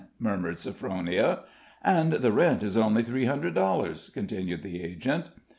murmured Sophronia. "And the rent is only three hundred dollars," continued the agent.